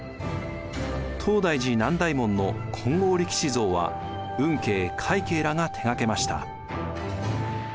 東大寺南大門の金剛力士像は運慶快慶らが手がけました。